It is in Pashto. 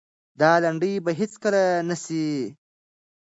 دا لنډۍ به هېڅکله هېره نه سي.